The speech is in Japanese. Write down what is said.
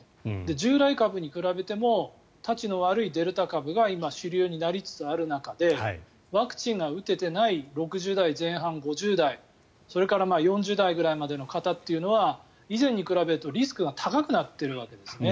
従来株に比べてもたちの悪いデルタ株が今、主流になりつつある中でワクチンが打てていない６０代前半、５０代それから４０代ぐらいまでの方というのは以前に比べると、リスクが高くなっているわけですね。